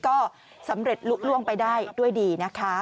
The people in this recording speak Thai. ก็สำเร็จลุ้งไปได้ด้วยดีนะคะ